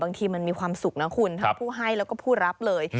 บางทีมันมีความสุขนะคุณทั้งผู้ให้แล้วก็ผู้รับเลย